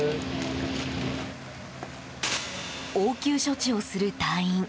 応急処置をする隊員。